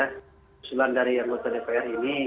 usulan dari anggota dpr ini